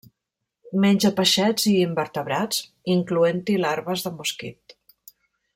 Menja peixets i invertebrats, incloent-hi larves de mosquit.